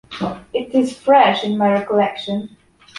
It is fresh in my recollection.